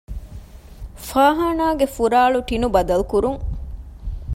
ފާޚާނާގެ ފުރާޅު ޓިނުބަދަލުކުރުން